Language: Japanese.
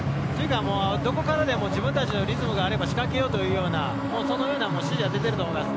どこからでも自分からのリズムがあれば仕掛けようという指示が出ていると思います。